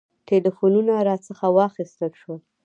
ټلفونونه راڅخه واخیستل شول.